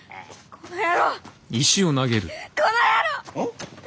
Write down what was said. この野郎！